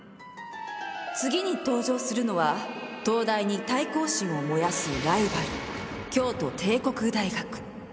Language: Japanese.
次に登場するのは東大に対抗心を燃やすライバル京都帝国大学！